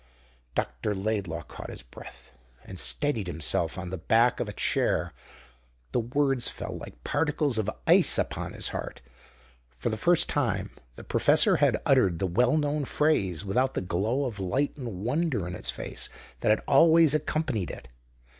Dr. Laidlaw caught his breath, and steadied himself on the back of a chair. The words fell like particles of ice upon his heart. For the first time the professor had uttered the well known phrase without the glow of light and wonder in his face that always accompanied it.